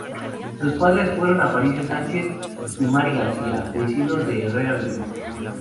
Sus padres fueron Aparicio Sánchez y Mari García, vecinos de Herrera del Duque.